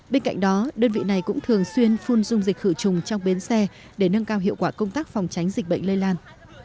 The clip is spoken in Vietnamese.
bên cạnh đó đơn vị này cũng thường xuyên phun dung dịch khử trùng trong bến xe để nâng cao hiệu quả công tác phòng tránh dịch bệnh lây lan